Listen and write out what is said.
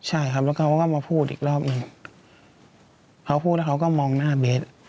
ใช่ครับแล้วเขาก็มาพูดอีกรอบหนึ่งเขาพูดแล้วเขาก็มองหน้าเบส